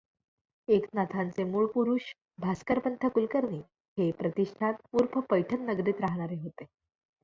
एकनाथांचे मूळ पुरुष भास्करपंत कुलकर्णी, हे प्रतिष्ठान ऊर्फ पैठण नगरीत राहणारे होते.